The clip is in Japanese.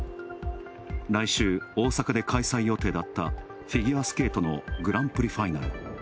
来週、大阪で開催予定だったフィギュアスケートのグランプリファイナル。